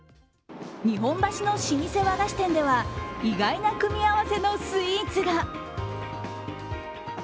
日本橋の老舗和菓子店では意外な組み合わせのスイーツが。